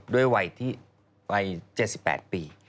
ด้วยวัย๗๘ปี